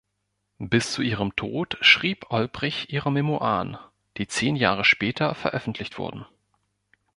Bis zu ihrem Tod schrieb Olbrich ihre Memoiren, die zehn Jahre später veröffentlicht wurden.